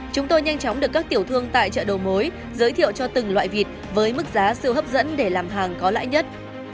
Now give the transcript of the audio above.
chúng tôi nhanh chóng được các tiểu thương tại chợ đầu mối giới thiệu cho từng loại vịt với mức giá siêu hấp dẫn để làm hàng có lãi nhất